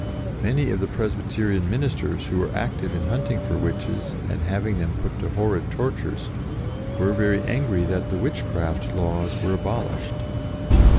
Many of the Presby terian ministers, who were active in hunt ing for witches and having them put to horrid tortures, were very angry that the withcraft laws were abolished.